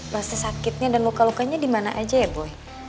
masih sakitnya dan luka lukanya dimana aja ya boy